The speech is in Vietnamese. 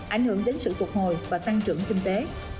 ảnh hưởng đến sự phục hồi và tăng trưởng kinh tế